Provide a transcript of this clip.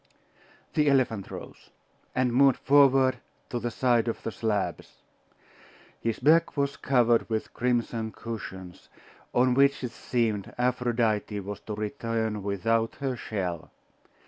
The elephant rose, and moved forward to the side of the slabs. His back was covered with crimson cushions, on which it seemed Aphrodite was to return without her shell.